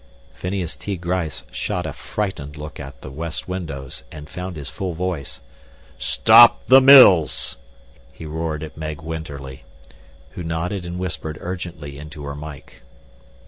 Phineas T. Gryce shot a frightened look at the west windows and found his full voice. "Stop the mills!" he roared at Meg Winterly, who nodded and whispered urgently into her mike.